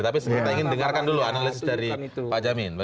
tapi kita ingin dengarkan dulu analisis dari pak jamin